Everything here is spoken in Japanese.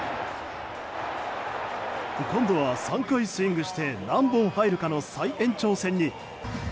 今度は３回スイングして何本入るかの再延長戦に。